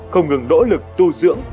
không ngừng nỗ lực tu dưỡng